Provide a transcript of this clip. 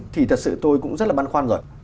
thì thật sự tôi cũng rất là băn khoăn rồi